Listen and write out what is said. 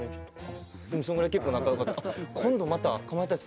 そのぐらい結構仲良かった。